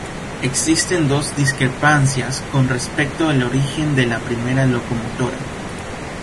Existen discrepancias con respecto el origen de la primera locomotora.